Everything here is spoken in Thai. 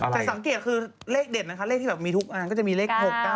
แต่สังเกตคือเลขเด็ดนะคะเลขที่แบบมีทุกอันก็จะมีเลข๖๙